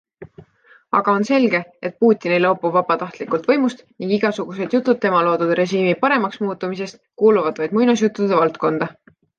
Aga on selge, et Putin ei loobu vabatahtlikult võimust ning igasugused jutud tema loodud režiimi paremaks muutumisest kuuluvad vaid muinasjuttude valdkonda.